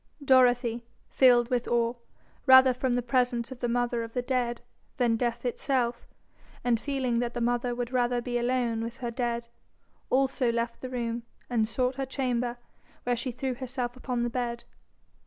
Dorothy, filled with awe, rather from the presence of the mother of the dead than death itself, and feeling that the mother would rather be alone with her dead, also left the room, and sought her chamber, where she threw herself upon the bed.